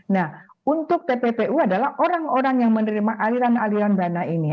nah untuk tppu adalah orang orang yang menerima aliran aliran dana ini